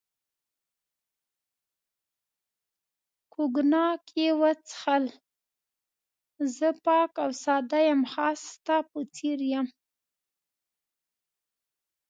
کوګناک یې وڅښل، زه پاک او ساده یم، خاص ستا په څېر یم.